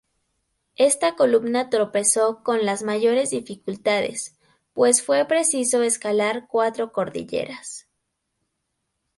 Esta columna tropezó con las mayores dificultades, pues fue preciso escalar cuatro cordilleras.